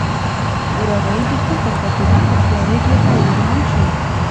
وراره یې د خپل کاکا په دې هوښیارۍ ډېر حیران شو.